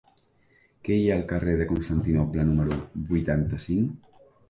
Què hi ha al carrer de Constantinoble número vuitanta-cinc?